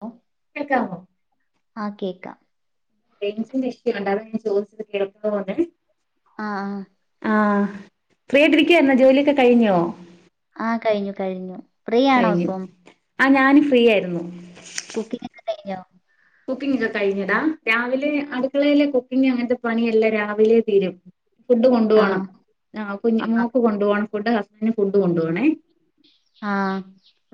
ഹ കേൾക്കാമോ ആഹ കേക്കാം [unintelligible] ആഹ് ആ ഫ്രീ ആയിട്ട് ഇരിക്കായിരുന്നോ ജോലിയൊക്കെ കഴിഞ്ഞോ ആഹ കഴിഞ്ഞു കഴിഞ്ഞു ഫ്രീ ആണോ കഴിഞ്ഞു ഇപ്പം ആ ഞാന് ഫ്രീ ആയിരുന്നു കുക്കിംഗ്‌ ഒകെ കഴിഞ്ഞോ കുക്കിംഗ്‌ ഒക്കെ കഴിഞ്ഞ് ഡാ രാവിലെ അടുക്കളെല്ലെ കുക്കിംഗ് അങ്ങനത്തെ പണിയെല്ലാം രാവിലെ തീരും ഫുഡ് ആ കൊണ്ടുപോണം ആ കുഞ്‌ മോൾക്ക് കൊണ്ടു പോണം ഫുഡ് ഹസ്ബന്റിന് ഫുഡ് കൊണ്ടു പോവണെ ആഹ്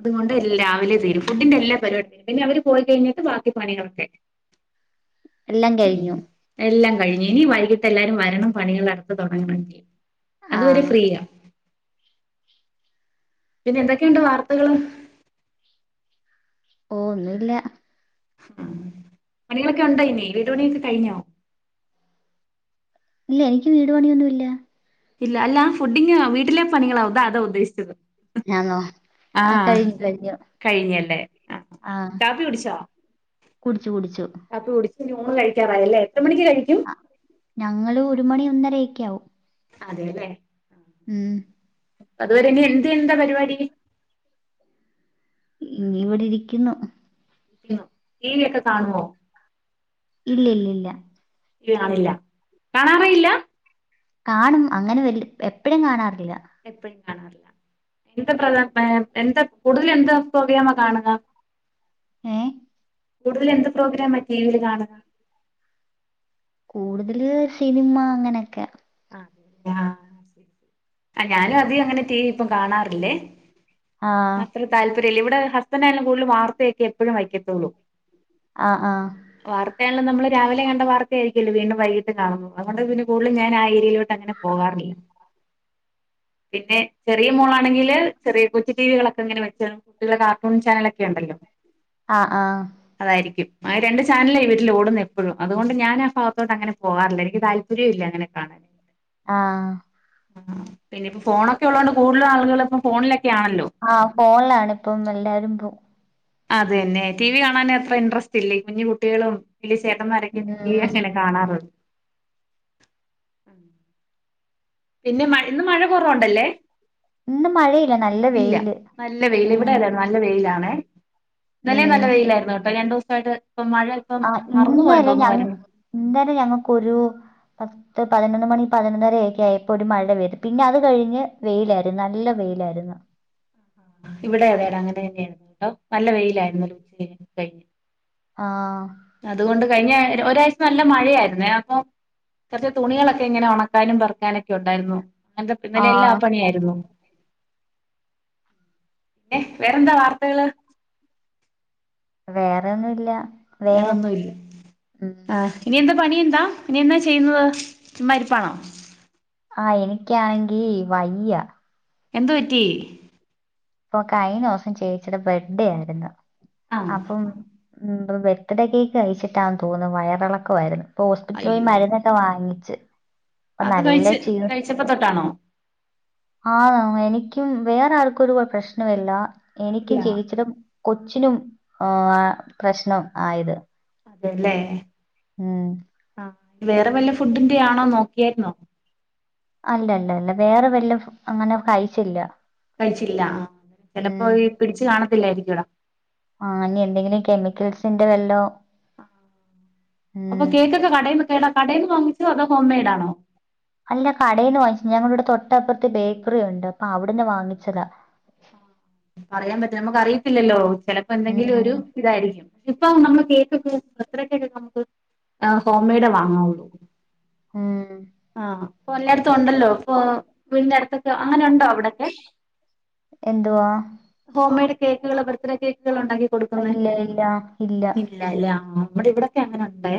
അതുകൊണ്ട് രാവിലെ തിരും ഫുഡിന്റെ എല്ലാം പരിപാടി പിന്നെ അവര് പോയി കഴിഞ്ഞട്ട് ബാക്കി പണികളൊക്കെ എല്ലാം കഴിഞ്ഞു എല്ലാം കഴിഞ്‌ ഇനി വൈകിട്ട് എല്ലാരും വരണം പണികൾ അടുത്തെ തുടങ്ങണെങ്കിൽ ആ അതുവരെ ഫ്രീയ പിന്നെ എന്തൊക്കെയുണ്ട് വാർത്തകള് ഓന്നുംല്ല ഉം പണികളൊക്കെ ഉണ്ടോ ഇനി വീട് പണിയൊക്കെ കഴിഞ്ഞോ ഇല്ല എനിക്ക് വീട് പണിയൊന്നും ഇല്ല ഇല്ല അല്ല ഫുഡിങ് വീട്ടിലെ പണികളാ അതാ ഉദ്ദേശിച്ചത് ഞാനോ ആ ആഹ് കഴിഞ്ഞു കഴിഞ്ഞു കഴിഞ്ഞല്ലേ ആ കാപ്പി കുടിച്ചോ കുടിച്ചു കുടിച്ചു അപ്പൊ കുടിച്ചു ഊണ് കഴിക്കാറായല്ലേ എത്ര മണിക്ക് കഴിക്കും ആഹ് ഞങ്ങള് ഒരു മണി ഒന്നരയക്കെ ആവും അതെല്ലേ ഉം അതുവരെനി എന്ത് എന്താ പരിപാടി ഇനി ഇവടെ ഇരിക്കുന്നു ടിവിയൊക്കെ കാണോ ഇല്ല ഇല്ല ഇല്ല ടി വികാണില്ല കാണാറേഇല്ല കാണും അങ്ങനെ വല് എപ്പഴും കാണാറില്ല എപ്പഴും കാണാറില്ല എന്ത പ്ര എന്താ കൂടുതല് എന്താ പ്രോഗ്രാമാ കാണാ ഏഹ് കൂടുതല് എന്ത് പ്രോഗ്രാമാ ടിവില് കാണാ കൂടുതല് സിനിമ അങ്ങനെക്കെ ആഹ് ഞാ ഞാനും അധികങ്ങനെ ടി വി ഇപ്പം കാണാറില്ലേ ആ അത്ര താല്പര്യല്ലേ ഇവിടെ ഹസ്ബന്റായാലും കൂടുതലും വാർത്തയൊക്കെ എപ്പഴും വയ്ക്കത്തോള്ളൂ ആഹ് ആഹ് വാർത്തയാണലും നമ്മള് രാവിലെ കണ്ട വാർത്തയാരിക്കല്ലോ വീണ്ടും വൈകിട്ടും കാണുന്നത് അത്കൊണ്ട് പിന്നെ കൂടലും ഞാന് ആ ഏരിയലോട്ട് അങ്ങനെ പോവാറുവില്ല പിന്നെ ചെറിയ മോളാണെങ്കില് ചെറിയ കൊച്ചു ടിവികളൊക്കെങ്ങനെ വെച്ച്കാണും കുട്ടികളെ കാർട്ടൂൺ ചാനലൊക്കെണ്ടല്ലോ ആഹ് ആഹ് അതായിരിക്കും ആ രണ്ട് ചാനല ഈ വീട്ടലോടുന്ന എപ്പഴും അതുകൊണ്ട് ഞാനാ ഭാഗത്തോട്ടങ്ങനെ പോവാറില്ല എനിക്ക് താല്പ ര്യോല്ലങ്ങനെ കാണാൻ ആഹ് ആഹ് പിന്നിപ്പ ഫോണൊക്കെള്ളോണ്ട് കൂടുതല് ആളുകള് ഇപ്പൊ ഫോണിലൊക്കെ ആണല്ലോ ആഹ് ഫോണിലാണ് ഇപ്പം എല്ലാരും പോ അതന്നെ ടി വി കാണാന് അത്ര ഇൻട്രസ്റ്റ് ഇല്ല ഈ കുഞ്ഞു കുട്ടികളും വലിയ ചേട്ടമ്മാരൊക്ക ഉം ടിവിയങ്ങനെ കാണാറ് പിന്നെ മ ഇന്ന് മഴ കൊറവൊണ്ടല്ലേ ഇന്ന് മഴയില്ല നല്ല ഇല്ല വെയില് നല്ല വെയില് ഇവിടെ ഉം അതെ നല്ല നല്ല വെയിലാണെ ഇന്നലേം നല്ല ഉം വെയിലായിരുന്നു കേട്ടോ രണ്ടൂസായിട്ട് ഇപ്പ മഴ ഇപ്പം ആ മറന്നുപോയെന്ന് ഇന്നലെ തോന്നുന്നു ഞങ്ങ വര്ണ് ഇന്നലെ ഞങ്ങക്കൊരു പ ത്ത് പതിനൊന്ന് മണി പതിനൊന്നരെക്കെ ആയപ്പൊ ഒരു മഴ പെയ്ത് പിന്നത് കഴിഞ്ഞ് വെയിലാരുന്നു നല്ല വെയിലാരുന്നു ഇവിടെ അതെടാ അങ്ങനെ തന്നെയായിരുന്നു ട്ടോ നല്ല വെയിലായിരുന്നു ഒരുച്ച കഴിഞ്ഞ് ആഹ് അതുകൊണ്ട് കഴിഞ്ഞ ഒരാഴ്ച നല്ല മഴയാര്ന്നേ അപ്പൊ കൊറച്ച് തുണികളൊക്കെങ്ങനെ ഒണക്കാനും പെറക്കാനൊക്കെ ഒണ്ടായിരുന്നു അങ്ങൻത്തെ ഇന്നലെ എല്ലാ ആഹ് ആപണിയായി രുന്നു പിന്നെ വേറെന്താ വാർത്തകള് വേറെ ഒന്നുല്ല വേറൊന്നുല്ല ആഹ് ഇനിയെന്താ പണിയെന്താ ഇനി എന്താ ചെയ്യുന്നത് ചുമ്മായിരിപ്പാണോ ആഹ് എനിക്കാണെങ്കി വയ്യ എന്തു പറ്റി ഇപ്പൊ കഴിഞ്ഞോസം ചേച്ചിടെ ബെഡ്ഡേ ആയിരുന്നു ആ അപ്പം ഉം ബെർത്ത്ഡേക്കേക്ക് കഴിച്ചിട്ടാന്ന് തോന്നു വയറെളക്കവാരുന്നു ഇപ്പൊ ഹോസ്പിറ്റലിൽ പോയി അയ്യോ മരുന്ന് ക്കെ വാങ്ങിച്ച് ഇപ്പ അത് നല്ല കഴിച്ച് ക്ഷീ [unintelligible] തൊട്ടാണോ ആഹ് എനിക്കും വേറാര്ക്കും ഒരു കൊഴ പ്രശ്നവില്ല ഇല്ല എനിക്കും ചേച്ചിടെ കൊച്ചിനും ആഹ് പ്രശ്നം ആയത് അതെല്ലേ ഉം. ആഹ് വേറെ വല്ല ഫുഡിന്റെ ആണോ നോക്കിയായിരുന്നോ? അല്ലല്ലല്ല വേറെ വല്ലം അങ്ങനെ കഴിച്ചില്ല കഴിച്ചില്ല ആഹ് ചെലപ്പോ ഉം. പിടിച്ച് കാണത്തില്ലായിരിക്കുവെടാ ആഹ് ഇനി എന്തെങ്കിലും കെമിക്കൽസിന്റെ വല്ലോ അപ്പൊ കേക്കൊക്കെ കടേന്ന് കടേന്ന് വാങ്ങിച്ചോ അതോ ഹോം മെയ്ഡാണോ അല്ല കടേന്ന് വാങ്ങിച്ചു ഞങ്ങടിവിടെ തൊട്ടപ്പുറത്ത് ബേക്കറി ഉണ്ട് അപ്പൊ അവിടുന്ന് വാങ്ങിച്ചതാ ആഹ് അറിയാൻ പറ്റില്ല നമുക്ക് അറിയത്തില്ലല്ലോ ചെലപ്പോ എന്തെങ്കിലും ഒരു ഉം. ഇതായിരിക്കും ഇപ്പൊ നമ്മള് കേക്കൊക്കെ ബർത് ഡേക്കൊക്കെ നമുക്ക് ഹോം മെയ്ഡേ വാങ്ങാവുള്ളൂ ഉം ആഹ് ഇപ്പൊ എല്ലായിടത്തും ഉണ്ടല്ലോ ഇപ്പൊ വീടിന്റെ അടുത്തൊക്കെ അങ്ങനെ ഉണ്ടോ അവിടൊക്കെ എന്തുവാ ഹോം മെയ്ഡ് കേക്കുകൾ ബർത്ത്ഡേ കേക്കുകൾ ഉണ്ടാക്കി ഇല്ല ഇല്ല ഇല്ല ഇല്ല ഇല്ല ആഹ് നമ്മടെ ഇവിടൊക്കെ അങ്ങനെ ഉണ്ടേ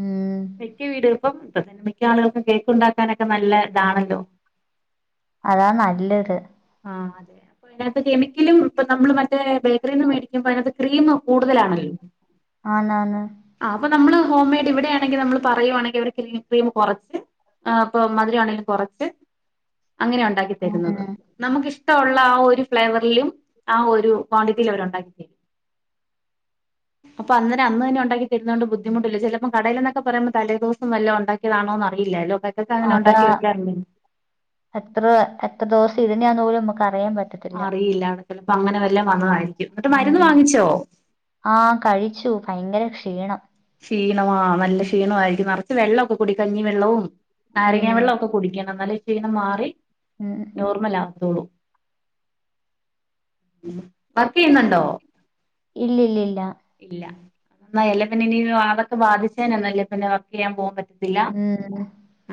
ഉം. മിക്ക വീടിലും ഇപ്പം ഇപ്പത്തന്നെ മിക്ക ആളുകൾക്കും കേക്കുണ്ടാക്കാനൊക്കെ നല്ല ഇതാണല്ലോ അതാ നല്ലത് ആഹ് അതെ അപ്പൊ അതിനകത്ത് കെമിക്കലും ഇപ്പം നമ്മള് മറ്റേ ബേക്കറിൽന്ന് മേടിക്കുമ്പോ അതിനകത്ത് ക്രീം കൂടുതലാണല്ലോ ആന്നാന്ന് ആഹ് അപ്പ നമ്മള് ഹോംമെയ്ഡ് ഇവിടെയാണെങ്കി നമ്മൾ പറയുവാണങ്കി അവര് ക്രീം ക്രീം കൊറച്ച് ആഹ് ഇപ്പോ മധുരാണെങ്കി കൊറച്ച് അങ്ങനെ ഉണ്ടാക്കി തരുന്നത്. ഉം. നമുക്ക് ഇഷ്ടവൊള്ള ആ ഒരു ഫ്ലേവറിലും ആ ഒരു ക്വാണ്ടിറ്റിയിലും അവർ ഉണ്ടാക്കി തരും. അപ്പൊ അന്നേരം അന്ന് തന്നെണ്ടാക്കി തരുന്നോണ്ട് ബുദ്ധിമുട്ടില്ല ചെലപ്പം കടയിലെന്നൊക്കെ പറയ്പോ തലേ ദിവസം വല്ലോം ഒണ്ടാക്കി ക്കെതാണോന്ന് അറിയില്ലല്ലോ മക്കൾക്ക് അങ്ങനെ അതാ ഉണ്ടാക്കി വെക്കാറുണ്ട് എത്ര എത്ര ദിവസം ഇരുന്നാന്ന് പോലും നമുക്ക് അറിയാൻ പറ്റ അറിയില്ല ചെലപ്പൊ അങ്ങനെ വല്ലാം വന്നതായിരിക്കും ന്നിട്ട് മരുന്ന് വാങ്ങിച്ചോ ആഹ് കഴിച്ചു ഭയങ്കര ക്ഷീണം ക്ഷീണവാ നല്ല ക്ഷീണമായിരിക്കും നറച്ച് വെള്ളൊക്കെ കുടി കഞ്ഞിവെള്ളവും നാരങ്ങ ഉം വെള്ളമൊക്കെ കുടിക്കണം ന്നാലെ ക്ഷീണം മാറി ഉം നോർമലാവത്തൊള്ളൂ വർക്ക് ചെയ്യുന്നുണ്ടോ ഇല്ല ഇല്ലില്ല ഇല്ല [unintelligible] അതൊക്കെ ബാധിച്ചേനന്നുംല്ല പിന്നെ വർക്ക് ചെയ്യാൻ പോകാൻ പറ്റ് ഇല്ല ഉം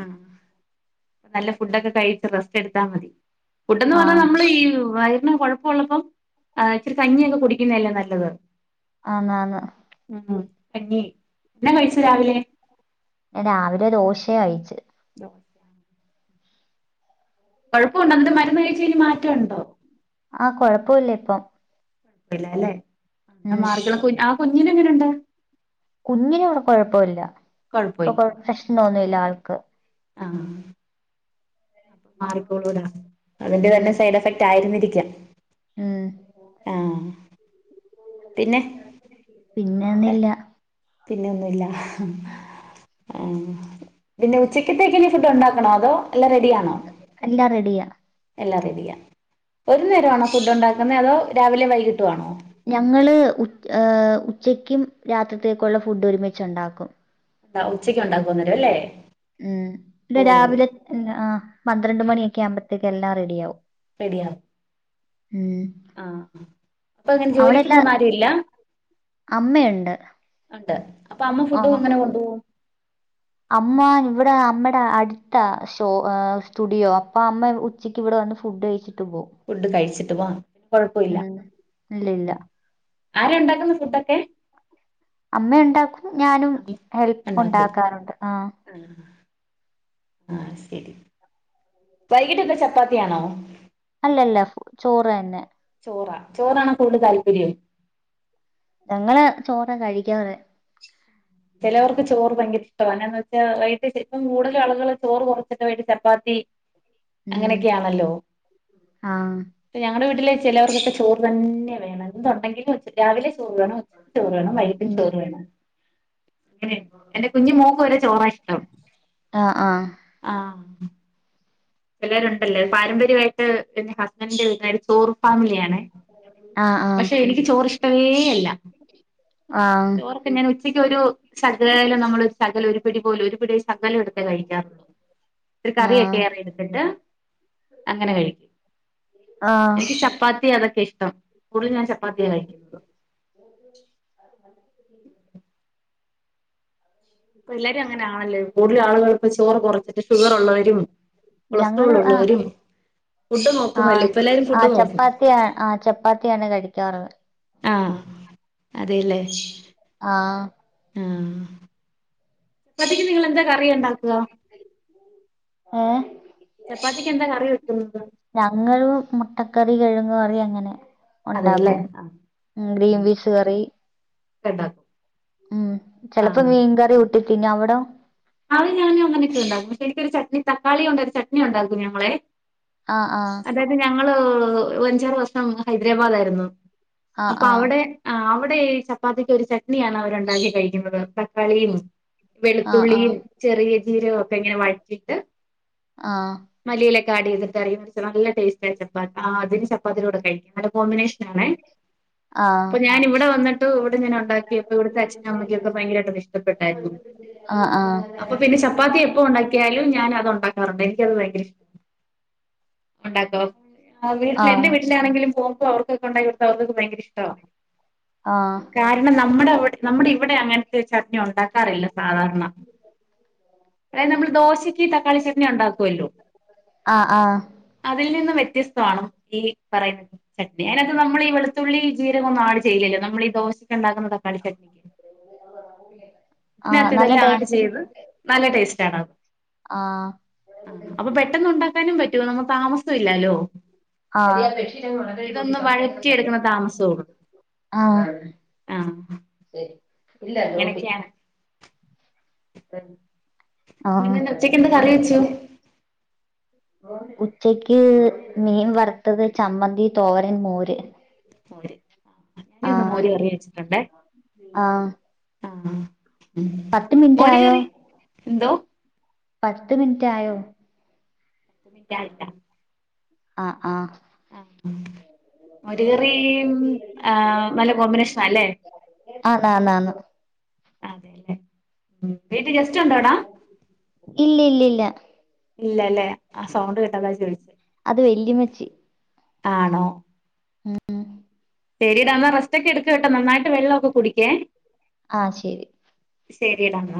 അപ്പോ നല്ല ഫുഡൊക്കെ കഴിച്‌ റെസ്റ്റ് എടുത്താ മതി ഫുഡെന്ന് ആ പറഞ്ഞാൽ നമ്മള് ഈ വയറിന് കൊഴപ്പ ള്ളപ്പം ഏഹ് ഇച്ചരി കഞ്ഞിയൊക്കെ കുടിക്കുന്നതല്ലേ നല്ലത് ആന്ന് ആന്ന് ഉം കഞ്ഞി എന്നാ കഴിച്ചു രാവിലെ? ഞാൻ രാവിലെ ദോശയാ കയിച്ച് ദോശ കൊഴപ്പോണ്ടോ ന്നിട്ട് മര്ന്ന് കഴിച് കഴിഞ്ഞ് മാറ്റോണ്ടോ ആഹ് കൊഴപ്പവില്ല ഇപ്പം കൊഴപ്പില്ല ല്ലെ ആ ന്നാ ഉം മാറിക്കോളും കുഞ്‌ ആ കുഞ്ഞിനെങ്ങനെണ്ട് കുഞ്ഞിന് ഇവിടെ കുഴപ്പല്ല കുഴപ്പമില്ല ഇപ്പൊ പ്രശ്നൊന്നുല്ല ആൾക്ക് ആഹ് അപ്പം മാറിക്കോളൂടാ അതിന്റെ തന്നെ ഉം സൈഡ് എഫക്ട് ആയിരുന്നിരിക്കും. ഉം ആഹ് പിന്നെ പിന്നെ ഒന്നും ഇല്ല. പിന്നെന്നൂല്ലാ ആഹ് പിന്നെ ഉച്ചക്കത്തേക്കിനീ ഫുഡ് ഉണ്ടാക്കണോ അതോ എല്ലാം റെഡി ആണോ? എല്ലാ റെഡിയാ. എല്ലാം റെഡിയാ. ഒരു നേരം ആണോ ഫുഡ് ഉണ്ടാക്കുന്നേ അതോ രാവിലേം വൈകിട്ടു ആണോ ഞങ്ങള് ഏഹ് ഉച്ചക്ക്യും രാത്രിത്തേക്കൊള്ള ഫുഡ് ഒരുമിച്ച് ഉണ്ടാക്കും. ഉച്ചക്ക് ഉണ്ടാക്കും അന്നേരം അല്ലേ ഉം പിന്നെ ഓ രാവിലെ ഉം അഹ് പന്ത്രണ്ട് മണിയൊക്കെ ആവുമ്പഴ്ത്തേക്ക് എല്ലാം റെഡി ആവും. റെഡിയാണ് ഉം ആഹ് പ്പഅങ്ങനെ ജോലിക്ക് പോക്ന്ന ആരും ഇല്ല അമ്മയ്ണ്ട്. ഉണ്ട്. അപ്പൊ അമ്മ ഫുഡ് എങ്ങനെ കൊണ്ട്പോവും അമ്മ ഇവ്ടെ അമ്മടെ അട്ത്താ ഷോ എഹ് സ്റ്റുഡിയോ അപ്പ അമ്മ ഉ ച്ചയ്ക്ക് ഇവിടെ വന്ന് ഫുഡ് കഴിച്ചിട്ട് പോവും. ഫുഡ് കഴിച്ചിട്ട്. [unintelligible] കൊഴപ്പവില്ല. ഇല്ല ഇല്ല ഉം ആരാ ഇണ്ടാക്ക്ന്ന് ഫുഡൊക്കെ അമ്മ ഉണ്ടാക്കും ഞാനും ഹെൽപ്പ് ഉണ്ടാക്കാറുണ്ട് ആഹ് ആഹ് ആഹ് ശെരി വൈകിട്ട് എന്താ ചപ്പാത്തിയാണോ അല്ലല്ല ചോറ് തന്നെ. ചോറാ ചോറാണോ കൂടുതൽ താല്പര്യം ഞങ്ങള് ചോറാ കഴിക്ക്യാറ് ചെലവർക്ക് ചോറ് ഭയങ്കര ഇഷ്ടാവാ എന്താന്ന് വെച്ചാ വൈകിട്ട് ഇപ്പം കൂട്തലും ആള്കള് ചോറ് കൊറച്ചിട്ട് വൈകിട്ട് ചപ്പാത്തി ഉം അങ്ങനെയൊക്കെയാണല്ലോ ആ ഇപ്പ ഞങ്ങടെ വീട്ടിലെ ചെലോർക്കൊക്കെ ചോറ് തന്നെ വേണം. എന്ത് ഉണ്ടെങ്കിലും രാവിലെ ചോറ് വേണം ഉ ചോറ് വേണം. വൈകിട്ടും ഉം ചോറ് വേണം. ങ്ങനെ എന്റെ കുഞ്ഞ് മോക്ക് വരെ ചോറായിഷ്ടം. ആഹ് ആഹ് ആഹ് എല്ലാരു ഉണ്ടല്ലേ പാരമ്പര്യവായിട്ട് എന്റെ ഹസ്ബൻഡന്റെ വീട്ട്ക്കാര് ചോറ് ഫാമിലിയാണ്. ആ പക്ഷെ എനിക്ക് ചോറ് ഇഷ്ടമേ അല്ല. ആഹ് പ്പം ഞാൻ ഉച്ചയ്ക്ക് ഒരു ശകലം നമ്മള് ശകലം ഒരു പിടി പോലു ഒരു പിടി ശകലംഎട്ത്തെ കഴിക്കാറുള്ളൂ. പിന്നെ ആ കറിയൊക്കെ ഏറെ എട് ണ്ട്ട്ട് അങ്ങനെ കഴിക്കും. ആ എനിക്ക് ചപ്പാത്തി അതൊക്കെ ഇഷ്ടം. കൂടുതലും ഞാൻ ചപ്പാത്തിയാ കഴിക്ക്യുന്ന് [inaudible] ഇപ്പഎല്ലാരും അങ്ങനെ ആണല്ലേ കൂട്തലും ആള്കള് ഇപ്പൊ ചോറ് കുറച്ചിട്ട് ഷുഗർ ഉള്ളവരും കൊളസ്ട്രോൾ ഞങ്ങള് ആ ഉള്ളവരും ഫുഡ് നോക്കുമല്ലേ ആഹ് ഇപ്പ എല്ലാരും ഫുഡ് ആഹ് നോക്കും. [unintelligible] ആഹ് ചപ്പാത്തിയാണ് കഴിക്കാറ്. ആഹ് അതെല്ലെ ആഹ് ആഹ് ചപ്പാത്തിക്ക് നിങ്ങള് എന്താ കറി ഉണ്ടാക്കുക ഏഹ് ചപ്പാത്തിക്ക് എന്താ കറി വെക്ക്ന്നത് ഞങ്ങള് മുട്ടക്കറി, കിഴങ്ങു കറി അങ്ങനെ അതെല്ലേ ഒണ്ടാക്കും ആഹ് ഉം ഗ്രീൻ പീസ് കറി ക്കെണ്ടാക്കും ഉം ചെലപ്പോ മീൻകറികൂട്ടി തിന്നും അവിടോ അതും ഞാനങ്ങനെയൊക്കെ ഉണ്ടാക്കും പക്ഷെ എനിക്കൊരു ചട്നി തക്കാളികൊണ്ടൊരു ചട്നിഒണ്ടാകും ഞങ്ങളെ ആ ആ അത് ഞങ്ങള് അഞ്ചാറുവർഷം ഹൈദരാബാദ് ആയിരുന്നു അപ്പൊ ആഹ് അവടെ ആ അവിടെ ഈ ചപ്പാത്തിക്കൊരു ചട്നിയാണ് അവരോണ്ടാക്കി കഴിക്കുന്നത് തക്കാളിയും. വെളുത്തുള്ളിയും ആഹ് ചെറിയ ജീരകവുമൊക്കെ ഇങ്ങനെ വഴറ്റീട്ട് ആഹ് മല്ലിയിലയൊക്കെ ആഡ് ചെയ്തിട്ട് കറിയുംവെച്ച് നല്ലടേസ്റ്റാണ് ചപ്പാ ആ അതിന് ചപ്പാത്തീടെ കൂടെ കഴിക്കും നല്ല കോമ്പിനേഷനാണേ. [inaudible] ആഹ് ഇപ്പൊ ഞാനിവിടെ വന്നിട്ടു ഇവിടെ ഞാൻ ഒണ്ടാക്കിയപ്പൊ ഇവിടത്തെ അച്ഛനു അമ്മക്കൊക്കെ ഭയങ്കരായിട്ട് അത് ഇഷ്ടപ്പെട്ടാരുന്നു. അ ആ അപ്പൊപിന്നെ ചപ്പാത്തി എപ്പൊ ഒണ്ടാക്കിയാലും ഞാനത് ഒണ്ടാക്കാറൊണ്ട് എനിക്കത് ഭയങ്കര ഇ ഒണ്ടാക്കോ ആ ആഹ് ആഹ് വീട്ടില് ആഹ് എന്റെ വീട്ടിലാണെങ്കിലും പോവുമ്പോ അവർക്കൊക്കെ ഒണ്ടാക്കി കൊടുത്താ അവർകൊക്കെ ഭയങ്കര ഇഷ്ടവാ. ആഹ് കാരണം നമ്മടെ അവിടെ നമ്മടെ ഇവിടെ അങ്ങനത്തെ ഒരു ചട്നി ഒണ്ടാക്കാറില്ല സാധാരണ. അത് നമ്മള് ദോശയ്ക്ക് തക്കാളി ചട്ട്നി ഒണ്ടാക്കുവല്ലോ. ആഹ് ആഹ് അതിൽ നിന്നും വ്യത്യസ്തവാണ് ഈ പറയുന്ന ചട്നി അയിനൊക്കെ നമ്മളീ വെളുത്തുള്ളി ജീരകം ഒന്നും ആഡ് ചെയ്യല് നമ്മളീ ദോശക്കൊണ്ടാക്കുന്ന തക്കാളി ചട്നിക്ക് ആഹ് ഇതിനാത്ത് നല്ല ഇതെല്ലാം ടേ ആഡ് ചെയ്ത് നല്ല ടേസ്റ്റാണ് ആഹ് ആ അപ്പൊ പെട്ട് ട്ടെന്നൊണ്ടാക്കാനും പറ്റും നമ്മ താമസം ഇല്ലാലോ. ആഹ് ഇതൊന്നു വഴറ്റി എടുക്കണ താമസോള്ളൂ. ആഹ്. ശെരി ഇല്ല ലോട്ടി അങ്ങനെയൊക്കെയാണ് പിന്നെ ഇന്ന് ഉച്ചക്ക് എന്താ കറി ആഹ് വെച്ചു ഉച്ചയ്ക്ക് മീൻവറുത്തത് ചമ്മന്തി തോരൻ മോര്. മോര് അമ്മയിന്ന് ആഹ് മോരു കറിവെച്ചിട്ടോണ്ടെ ആഹ് ആ പത്ത് മിനിറ്റ് ആയോ മോര്കറി എന്തോ പത്ത് മിനിറ്റായോ ഇല്ലാ ഇല്ലാ ആ ആ അ മോരുകറിയും ആ നല്ല കോമ്പിനേഷനാല്ലേ. ആന്ന് ആന്ന് ആന്ന്. അതേല്ലെ ഉം വീട്ടി ഗസ്റ്റുണ്ടോടാ ഇല്ലയില്ലയില്ല. ഇല്ലാല്ലേ ആ സൗണ്ട് കേട്ടതാ അതാ ചോയിച്ചേ. അത് വെല്ലിമച്ചി. ആണോ ഉം ഉം. എടീടാന്ന റസ്റ്റൊക്കെയെടുക്ക് കേട്ടൊ നന്നായിട്ട് വെള്ളൊക്കെ കുടിക്കേ. ആ ശെരി. ശെരിടാന്നാ.